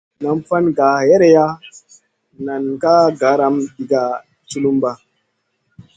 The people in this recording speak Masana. Nam fan gah hèreya nen ka garam diga tchulumba.